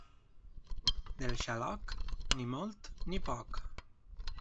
Del xaloc, ni molt ni poc.